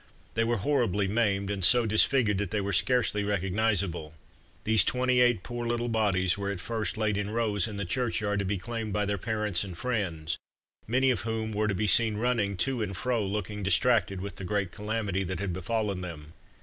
They were horribly maimed, and so disfigured that they were scarcely recognizable. These twenty eight poor little bodies were at first laid in rows in the churchyard to be claimed by their parents and friends, many of whom were to be seen running to and fro looking distracted with the great calamity that had befallen them.